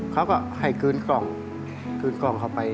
เขาก็ให้คืนกล้องเขาไป